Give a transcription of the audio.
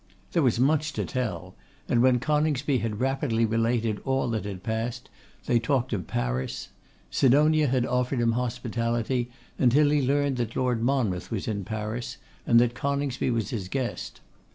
There was much to tell. And when Coningsby had rapidly related all that had passed, they talked of Paris. Sidonia had offered him hospitality, until he learned that Lord Monmouth was in Paris, and that Coningsby was his guest.